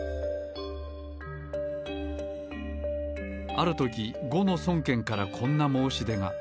ある時呉の孫権からこんな申し出が。